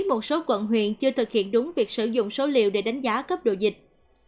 một số quận huyện chưa thực hiện đúng việc sử dụng số liệu để đánh giá cấp độ dịch